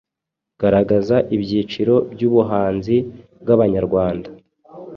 Garagaza ibyiciro by’ubuhanzi bw’Abanyarwanda